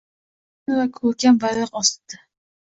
Ulkan va ko‘rkam bayroq ostida